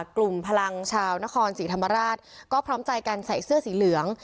กลุ่มพลังชาวนครศรีธรรมราชก็พร้อมใจกันใส่เสื้อสีเหลือง